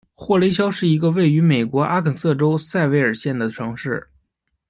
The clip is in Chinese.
霍雷肖是一个位于美国阿肯色州塞维尔县的城市。